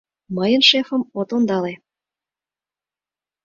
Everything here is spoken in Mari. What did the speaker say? Мыйын шефым от ондале...